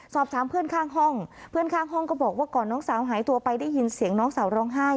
สอบถามเพื่อนข้างห้องเพื่อนข้างห้องก็บอกว่าก่อนน้องสาวหายตัวไปได้ยินเสียงน้องสาวร้องไห้